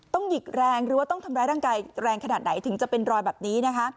หยิกแรงหรือว่าต้องทำร้ายร่างกายแรงขนาดไหนถึงจะเป็นรอยแบบนี้นะคะ